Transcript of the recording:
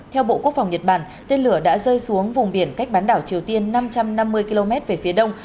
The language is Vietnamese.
theo bộ quốc phòng nhật bản tên lửa đã rơi xuống vùng biển cách bán đảo triều tiên năm trăm năm mươi km về phía đông